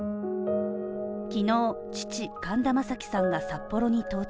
昨日、父・神田正輝さんが札幌に到着。